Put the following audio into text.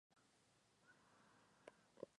En ese momento pasa a comportarse como una limitada.